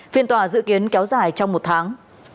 phiên tòa dự kiến kéo dài trong một tháng